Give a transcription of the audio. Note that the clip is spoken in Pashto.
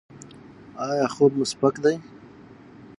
ایا خوب مو سپک دی؟